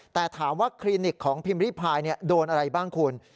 แต่ถามว่าคลินิกของพิมพ์ริพายโดนอะไรบ้างคุณ